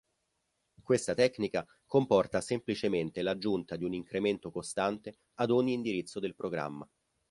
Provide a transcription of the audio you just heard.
Questa tecnica comporta semplicemente l'aggiunta di un incremento costante ad ogni indirizzo del programma.